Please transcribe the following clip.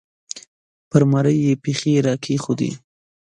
پر مرۍ یې پښې را کېښودې